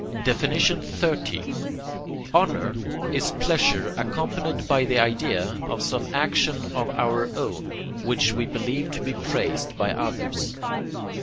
XXX. Honour is pleasure accompanied by the idea of some action of our own, which we believe to be praised by others.